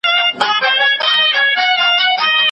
ویل کوچ وکړ یارانو ویل ړنګ سول محفلونه